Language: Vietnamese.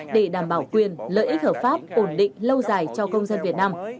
để đảm bảo quyền lợi ích hợp pháp ổn định lâu dài cho công dân việt nam